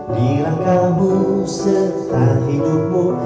di langkahmu setelah hidupmu